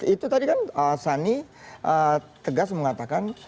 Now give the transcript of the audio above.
itu tadi kan sani tegas mengatakan